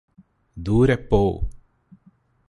ദൂരെ പോ